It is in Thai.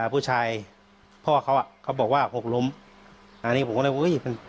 ผู้ชายพ่อเขาอ่ะเขาบอกว่าหกล้มอันนี้ผมก็เลยว่าเฮ้ยมัน